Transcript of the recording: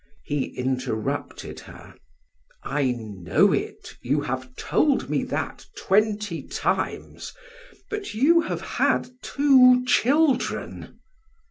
He interrupted her: "I know it, you have told me that twenty times; but you have had two children."